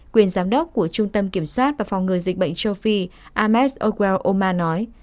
quyền giám đốc của trung tâm kiểm soát và phòng ngừa dịch bệnh châu phi ames ogwell oma nói